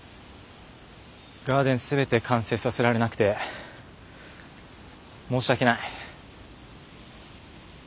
ガーデン全て完成させられなくて申し訳ない。